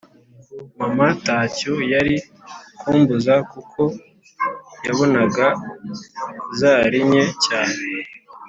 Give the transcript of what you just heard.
Mama tacyo yari kumbuza kuko yabonaga zari nke cyane